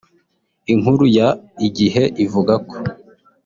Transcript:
Inkuru ya Igihe ivuga ko